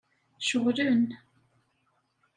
Ceɣlen.